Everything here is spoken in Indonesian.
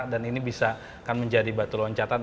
dan ini bisa menjadi batuluan catan